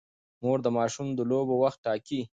مور د ماشوم د لوبو وخت ټاکي.